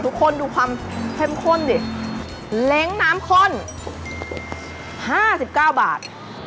ทุกคนดูความเข้มข้นดิเล้งน้ำข้น๕๙บาท